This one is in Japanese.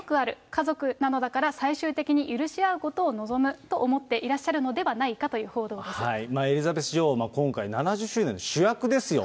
家族なのだから最終的に許し合うことを望むと思っていらっしゃるのではないかという報エリザベス女王、今回、７０周年の主役ですよ。